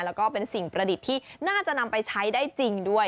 แล้วก็เป็นสิ่งประดิษฐ์ที่น่าจะนำไปใช้ได้จริงด้วย